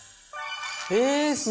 ええすごい！